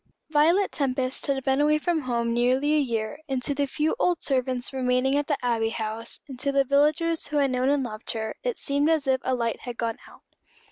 Violet Tempest had been away from home nearly a year, and to the few old servants remaining at the Abbey House, and to the villagers who had known and loved her, it seemed as if a light had gone out.